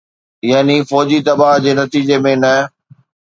يعني فوجي دٻاءُ جي نتيجي ۾ نه.